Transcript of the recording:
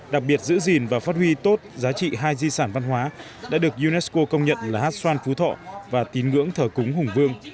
đặc biệt giữ gìn và phát huy tốt giá trị hai di sản văn hóa đã được unesco công nhận là hát xoan phú thọ và tín ngưỡng thờ cúng hùng vương